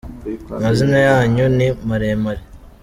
Amazina yanyu ni maremare.